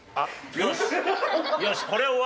よし。